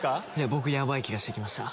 僕ヤバい気がしてきました。